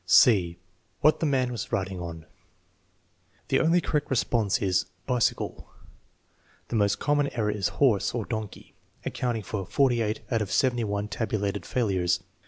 (c) What the man was riding on The only correct response is "Bicycle." The most common error is horse (or donkey), accounting for 48 out of 71 tabulated failures.